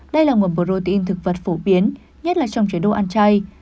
đây là nguồn protein thực vật phổ biến nhất là trong chế độ ăn chay